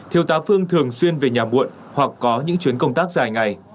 thiếu tá phương thường xuyên về nhà muộn hoặc có những chuyến công tác dài ngày